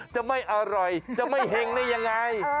จะไม่อร่อยจะไม่เห็งได้ยังไง